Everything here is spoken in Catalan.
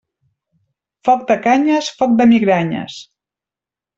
Foc de canyes, foc de migranyes.